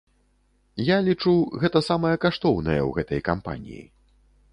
Я лічу, гэта самае каштоўнае ў гэтай кампаніі.